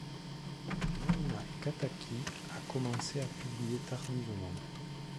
Maïna Kataki a commencé à publier tardivement.